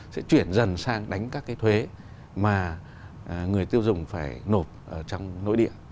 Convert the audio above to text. sẽ chuyển dần sang đánh các cái thuế mà người tiêu dùng phải nộp trong nỗi địa